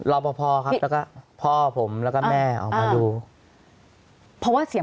รอพอพอครับแล้วก็พ่อผมแล้วก็แม่ออกมาดูเพราะว่าเสียง